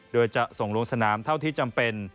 โดยจะส่งลงสนามเท่าที่จำเป็น